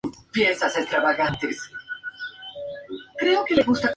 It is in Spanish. Se trasladó a Suiza.